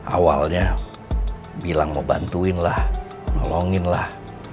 awalnya bilang mau bantuin lah nolongin lah